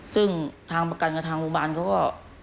ซึ่งทางประกันกับทางโรงพยาบาลเขาก็